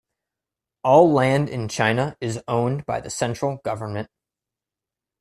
All land in China is owned by the central government.